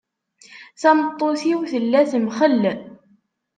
Tameṭṭut-iw tella temxell.